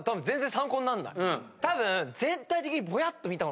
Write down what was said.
たぶん。